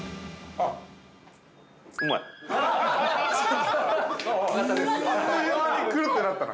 ◆あっという間にクルッてなったな。